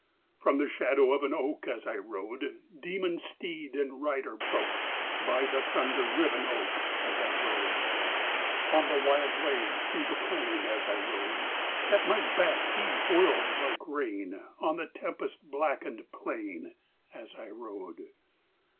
From the shadow of an oak, As I rode, Demon steed and rider broke; By the thunder riven oak, As I rode. On the wild way through the plain, As I rode, At my back he whirled like rain; On the tempest blackened plain, As I rode.